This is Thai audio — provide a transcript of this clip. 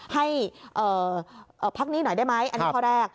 ให้พักนี้หน่อยได้ไหมอันนี้ข้อแรก